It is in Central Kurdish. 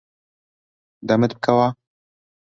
دەمت بکەوە.